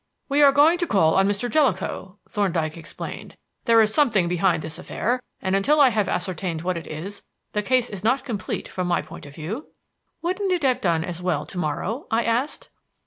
"We are going to call on Mr. Jellicoe," Thorndyke explained. "There is something behind this affair, and until I have ascertained what it is, the case is not complete from my point of view." "Wouldn't it have done as well to morrow?" I asked.